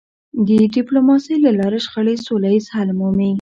د ډيپلوماسی له لارې شخړې سوله ییز حل مومي.